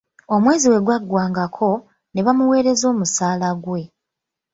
Omwezi bwe gwaggwangako, nebamuwereza omusaala ggwe.